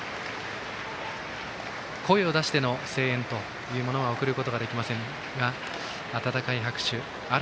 声を出しての声援というものは送ることができませんが温かい拍手です。